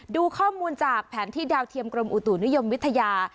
ดูข้อมูลจากแผนที่ดาวเทียมกรมอุตุนิยมวิทยา